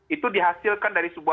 itu dihasilkan dari sebuah